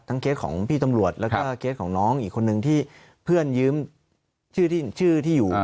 เคสของพี่ตำรวจแล้วก็เคสของน้องอีกคนนึงที่เพื่อนยืมชื่อที่อยู่